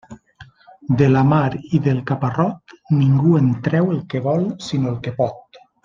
De la mar i del caparrot, ningú en treu el que vol, sinó el que pot.